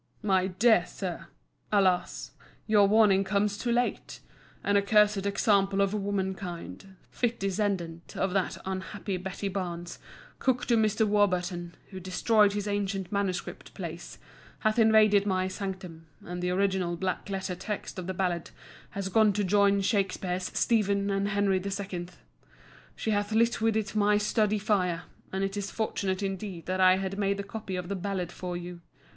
MY DEAR SIR,—Alas, your warning comes too late. An accursed example of womankind, fit descendant of that unhappy Betty Barnes, cook to Mr. Warburton, who destroyed his ancient manuscript plays, hath invaded my sanctum, and the original black letter text of the ballad has gone to join Shakspeare's "Stephen" and "Henry II." She hath lit with it my study fire, and it is fortunate indeed that I had made the copy of the ballad for you.